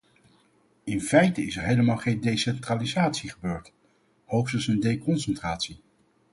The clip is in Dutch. In feite is er helemaal geen decentralisatie gebeurd, hoogstens een deconcentratie.